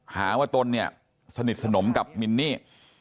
หาว่าตนเนี่ยสนิทสนมกับมินนี่